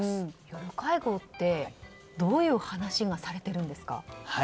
夜会合ってどういう話がされているんですか？